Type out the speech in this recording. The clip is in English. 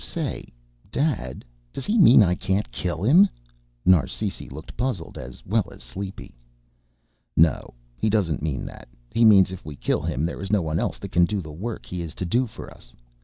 "Say, Dad, does he mean I can't kill him?" Narsisi looked puzzled as well as sleepy. "No, he doesn't mean that. He means if we kill him there is no one else that can do the work he is to do for us.